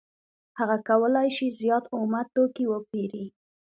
هغه کولای شي زیات اومه توکي وپېري